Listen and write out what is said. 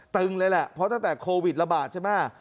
ตึงเลยแหละเพราะตั้งแต่โควิดระบาดใช่ไหม